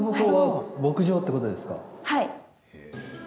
はい。